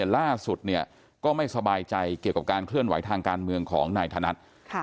ล่าสุดเนี่ยก็ไม่สบายใจเกี่ยวกับการเคลื่อนไหวทางการเมืองของนายธนัด